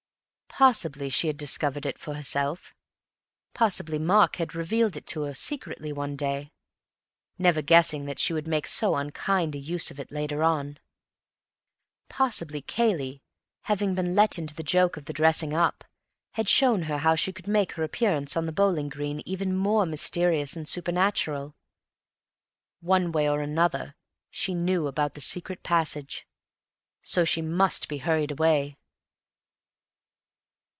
Possibly she had discovered it for herself; possibly Mark had revealed it to her secretly one day, never guessing that she would make so unkind a use of it later on; possibly Cayley, having been let into the joke of the dressing up, had shown her how she could make her appearance on the bowling green even more mysterious and supernatural. One way or another, she knew about the secret passage. So she must be hurried away.